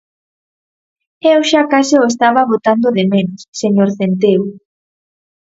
Eu xa case o estaba botando de menos, señor Centeo.